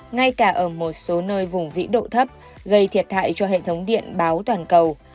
ngay cả ở một số nơi vùng vĩ độ thấp gây thiệt hại cho hệ thống điện báo toàn cầu